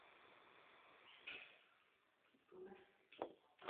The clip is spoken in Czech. Euroliberální dogmatismus znamená pro Evropu katastrofu.